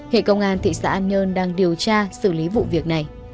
hệ công an thị xã an nhơn đang điều tra xử lý vụ việc này